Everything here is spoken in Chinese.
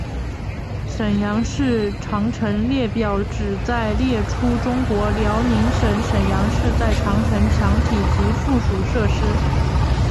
沈阳市长城列表旨在列出中国辽宁省沈阳市的长城墙体及附属设施。